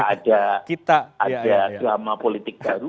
ada drama politik baru